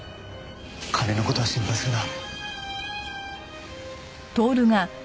金の事は心配するな。